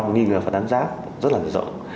nghi ngờ phát án giác rất là rộng